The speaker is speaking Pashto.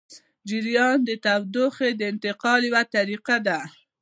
جریان د تودوخې د انتقالولو یوه طریقه ده.